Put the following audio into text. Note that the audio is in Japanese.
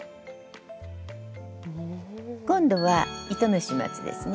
今度は糸の始末ですね。